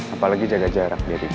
apalagi jaga jarak dari gue